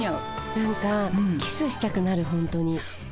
何かキスしたくなるホントに。